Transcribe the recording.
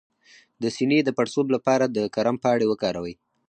د سینې د پړسوب لپاره د کرم پاڼې وکاروئ